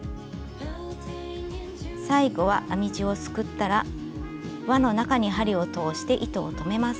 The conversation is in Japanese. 最後は編み地をすくったら輪の中に針を通して糸を留めます。